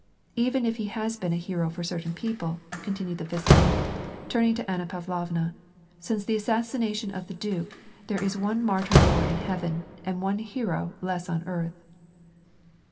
Even if he has been a hero for certain people," continued the viscount, turning to Anna Pavlovna, " since the assassina tion of the duke there is one martyr more in heaven, and one hero less on earth."